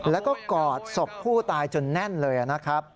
แล้วก็กอดศพผู้ตายจนแน่นเลยนะครับ